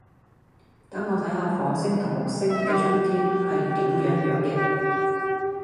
等我睇吓火星同木星嘅春天係點樣樣嘅